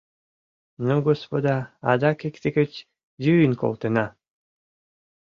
Ну, господа, адак икте гыч йӱын колтена!